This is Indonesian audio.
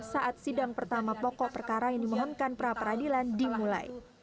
saat sidang pertama pokok perkara yang dimohonkan pra peradilan dimulai